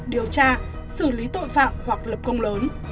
điều tra xử lý tội phạm hoặc lập công lớn